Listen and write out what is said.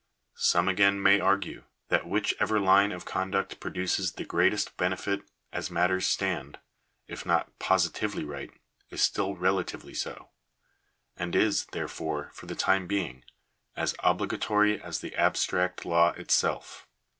Some again may argue, that which ever line of conduct produoes the greatest benefit as matters stand, if not positively right, is still relatively so ; and is, there fore, for the time being, as obligatory as the abstract law itself.